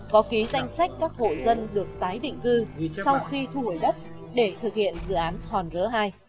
có ký danh sách các hộ dân được tái định cư sau khi thu hồi đất để thực hiện dự án hòn rớ hai